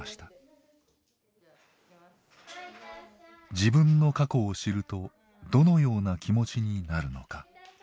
自分の過去を知るとどのような気持ちになるのか。